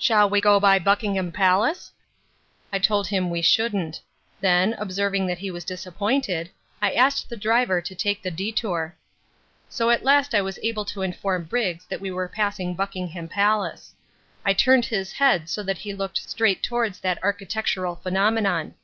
"Shall we go by Buckingham Palace?" I told him we shouldn't; then, observing that he was disappointed, I asked the driver to make the détour. So at last I was able to inform Briggs that we were passing Buckingham Palace: I turned his head so that he looked straight towards that architectural phenomenon.